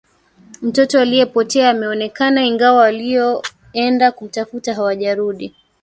Mtoto aliyepotea ameonekana ingawa walioenda kumtafuta hawajarudi.